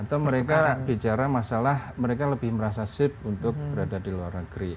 atau mereka bicara masalah mereka lebih merasa sip untuk berada di luar negeri